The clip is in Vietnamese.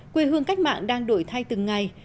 quê hương cách mạng đang đổi thay từng ngày